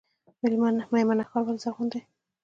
میمنه ښار ولې زرغون دی؟